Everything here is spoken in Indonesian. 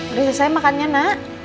udah selesai makannya nak